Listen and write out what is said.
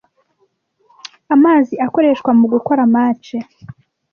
Amazi akoreshwa mugukora match.